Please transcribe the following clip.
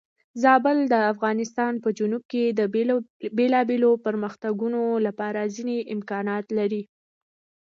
زابل د افغانستان په جنوب کې د بېلابېلو پرمختګونو لپاره ځینې امکانات لري.